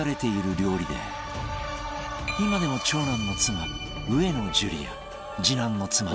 今でも長男の妻上野樹里や二男の妻